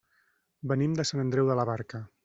Venim de Sant Andreu de la Barca.